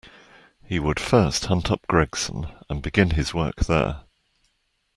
He would first hunt up Gregson and begin his work there.